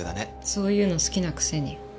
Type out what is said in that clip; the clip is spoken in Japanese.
そういうの好きなくせに。